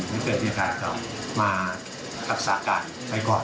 ไม่เป็นพี่อาการเขามาอักษาการไปก่อน